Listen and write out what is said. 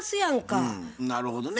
なるほどね。